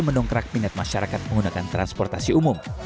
mendongkrak minat masyarakat menggunakan transportasi umum